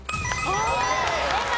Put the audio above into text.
正解。